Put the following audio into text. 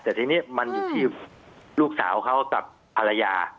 แต่ทีนี้มันอยู่ที่ลูกสาวเขากับภรรยา